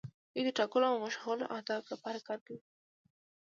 دوی د ټاکلو او مشخصو اهدافو لپاره کار کوي.